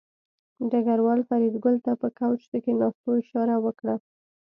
ډګروال فریدګل ته په کوچ د کېناستو اشاره وکړه